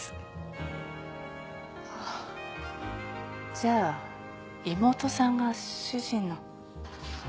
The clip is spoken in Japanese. じゃあ妹さんが主人の。